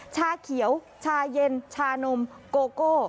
ชาเขียวชาเย็นชานมโกโก้